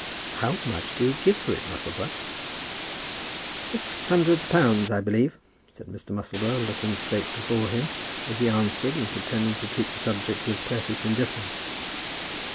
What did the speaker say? "How much did he give for it, Musselboro?" "Six hundred pounds, I believe," said Mr. Musselboro, looking straight before him as he answered, and pretending to treat the subject with perfect indifference.